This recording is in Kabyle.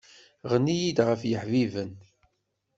Ɣenni-yi-d ɣef yeḥbiben